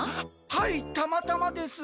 はいたまたまです。